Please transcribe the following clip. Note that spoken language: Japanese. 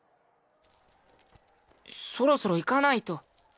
そろそろ行かないと。